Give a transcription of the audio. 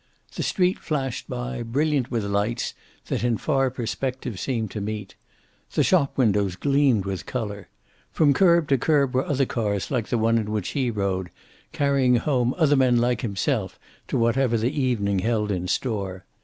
The street flashed by, brilliant with lights that in far perspective seemed to meet. The shop windows gleamed with color. From curb to curb were other cars like the one in which he rode, carrying home other men like himself to whatever the evening held in store.